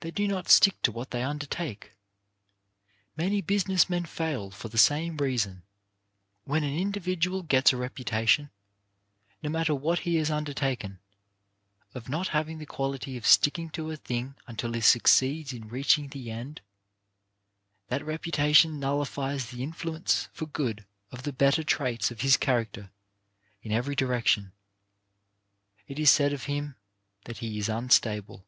They do not stick to what they undertake. Many business men fail for the same reason. When an individual gets a reputation — no matter what he has under taken — of not having the quality of sticking to a x«7 1 88 CHARACTER BUILDING thing until he succeeds in reaching the end, that reputation nullifies the influence for good of the better traits of his character in every direction. It is said of him that he is unstable.